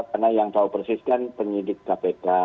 karena yang tahu persis kan penyidik kpk